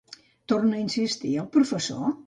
Torna a insistir el professor?